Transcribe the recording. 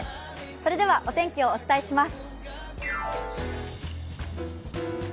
それではお天気をお伝えします。